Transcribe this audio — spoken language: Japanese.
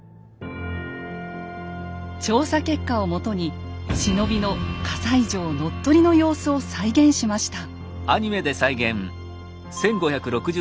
調査結果をもとに忍びの西城乗っ取りの様子を再現しました。